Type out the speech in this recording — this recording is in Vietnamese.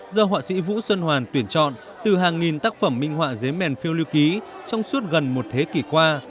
do họa sĩ vũ xuân hoàn tuyển chọn từ hàng nghìn tác phẩm minh họa giấy mèn phiêu lưu ký trong suốt gần một thế kỷ qua